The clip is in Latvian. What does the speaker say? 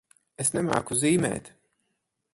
Es nemāku zīmēt.